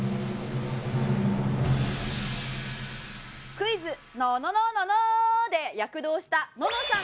「クイズ！！ののののの！！！！！」で躍動したののさん